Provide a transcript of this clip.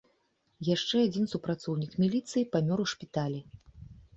Яшчэ адзін супрацоўнік міліцыі памёр у шпіталі.